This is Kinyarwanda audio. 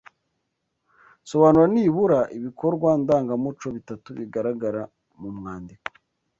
Sobanura nibura ibikorwa ndangamuco bitatu bigaragara mu mwandiko